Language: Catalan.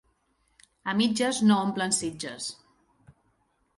A mitges no omplen sitges.